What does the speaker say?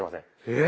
え⁉